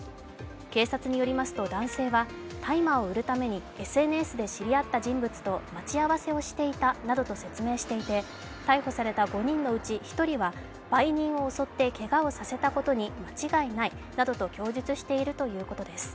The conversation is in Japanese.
警察によりますと男性は大麻を売るためにＳＮＳで知り合った人物と待ち合わせをしていたなどと説明していて逮捕された５人のうち１人は売人を襲ってけがをさせたことに間違いないなどと供述しているということです。